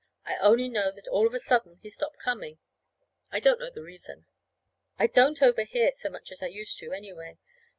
I only know that all of a sudden he stopped coming. I don't know the reason. I don't overhear so much as I used to, anyway.